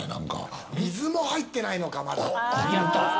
水も入ってないのか、まだ。